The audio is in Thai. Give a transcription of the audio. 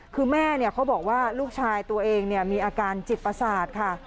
คือแม่เขาบอกว่าลูกชายตัวเองมีอาการจิตประสาทค่ะ